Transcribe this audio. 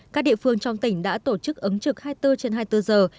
các địa phương trong tỉnh đã tổ chức ứng trực hai mươi bốn trên hai mươi bốn giờ